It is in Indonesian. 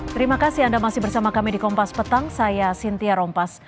terima kasih anda masih bersama kami di kompas petang saya sintia rompas